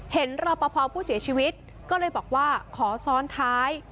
รอปภผู้เสียชีวิตก็เลยบอกว่าขอซ้อนท้าย